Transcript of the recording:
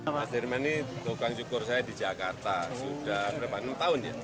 mas irman ini tukang syukur saya di jakarta sudah enam tahun ya